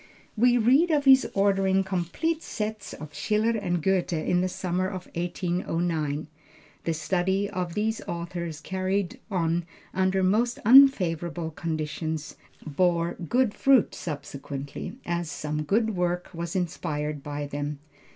We read of his ordering complete sets of Schiller and Goethe in the summer of 1809. The study of these authors carried on under most unfavorable conditions, bore good fruit subsequently, as some good work was inspired by them.